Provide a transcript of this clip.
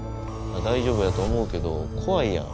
大丈夫やと思うけど怖いやん。